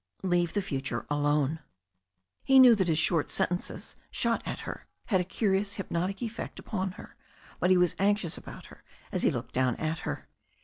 Leave the future alone." He knew that his short sentences, shot at her, had a curious hypnotic effect upon her, but he was anxious about her as he looked down at her.